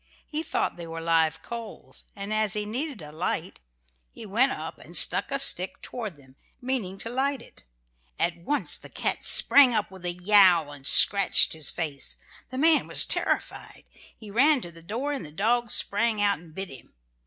He thought they were live coals, and as he needed a light he went up and stuck a stick toward them, meaning to light it. At once the cat sprang up with a yowl and scratched his face. The man was terrified. He ran to the door and the dog sprang out and bit him.